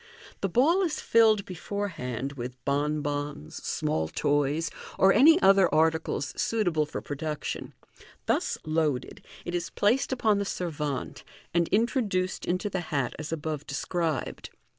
The ball is rilled before hand with bonbons, small toys, or any other articles suitable for pro duction. Thus " loaded," it is placed upon the servante, and intro duced into the hat as above described.